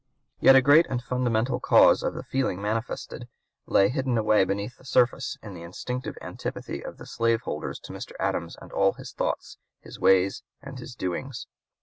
Yet a great and fundamental cause of the feeling manifested lay hidden away beneath the surface in the instinctive antipathy of the slaveholders to Mr. Adams and all his thoughts, his ways, and his doings.